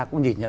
cũng nhìn nhận